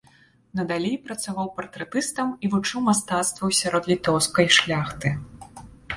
Надалей працаваў партрэтыстам і вучыў мастацтву сярод літоўскай шляхты.